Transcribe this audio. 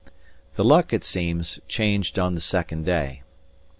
The luck, it seems, changed on the second day.